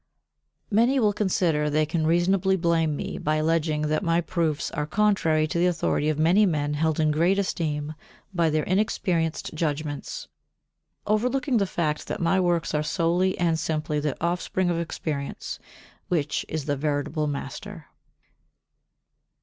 53. Many will consider they can reasonably blame me by alleging that my proofs are contrary to the authority of many men held in great esteem by their inexperienced judgements: overlooking the fact that my works are solely and simply the offspring of experience, which is the veritable master.